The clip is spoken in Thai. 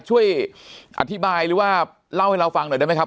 ช่วยอธิบายหรือว่าเล่าให้เราฟังหน่อยได้ไหมครับ